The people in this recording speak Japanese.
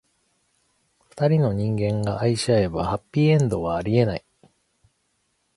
二人の人間が愛し合えば、ハッピーエンドはありえない。